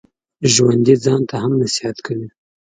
ژوندي ځان ته هم نصیحت کوي